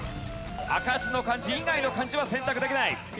赤字の漢字以外の漢字は選択できない。